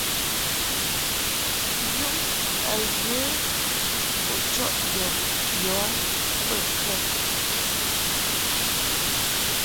Yum a ye u chɔʼ yɔ a bə kə?